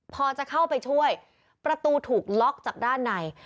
พอจะเข้าไปช่วยประตูถูกล็อกจากด้านใน